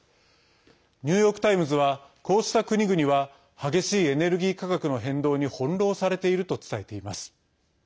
ニューヨーク・タイムズはこうした国々は激しいエネルギー価格の変動に翻弄されていると伝えています。